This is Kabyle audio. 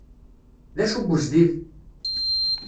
D acu n wejdid?